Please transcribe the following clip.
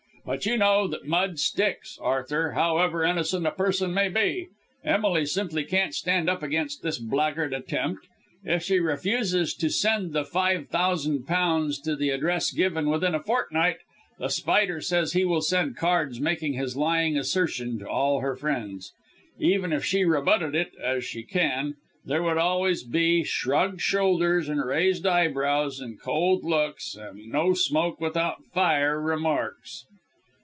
But you know that mud sticks, Arthur, however innocent a person may be. Emily simply can't stand up against this blackguard attempt. If she refuses to send the five thousand pounds to the address given within a fortnight, The Spider says he will send cards making his lying assertion to all her friends. Even if she rebutted it as she can there would always be shrugged shoulders and raised eyebrows and cold looks, and no smoke without fire remarks."